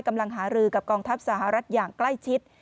กำลังหารือกับกองทัพสหรัฐอย่างใกล้ชิด